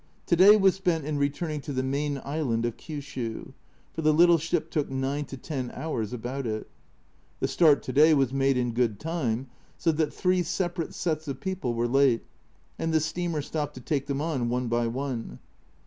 To day was spent in returning to the main island of Kiushiu, for the little ship took nine to ten hours about it The start to day was made in good time, so that three separate sets of people were late, and the steamer stopped to take them on one by one.